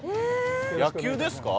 野球ですか？